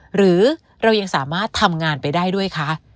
หรือเรายังสามารถทำงานไปได้ด้วยคะ